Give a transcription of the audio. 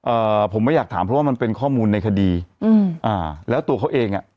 เอ่อผมไม่อยากถามเพราะว่ามันเป็นข้อมูลในคดีอืมอ่าแล้วตัวเขาเองอ่ะ